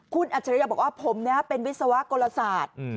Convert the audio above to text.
คุณอัจฉริยะบอกว่าผมเป็นวิศวกลศาสตร์